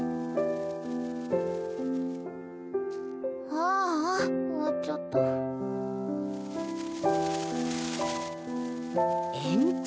あぁあ終わっちゃった延長。